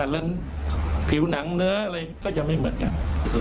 แล้วผิวหนังเนื้ออะไรก็จะไม่เหมือนกัน